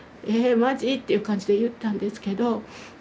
「えマジ？」っていう感じで言ったんですけど。